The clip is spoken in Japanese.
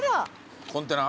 コンテナ？